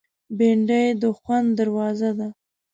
بېنډۍ د خوند دروازه ده